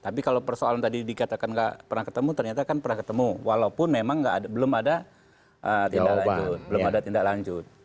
tapi kalau persoalan tadi dikatakan gak pernah ketemu ternyata kan pernah ketemu walaupun memang belum ada tindak lanjut